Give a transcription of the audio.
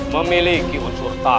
memiliki unsur tanah